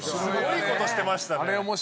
すごいことしてましたね。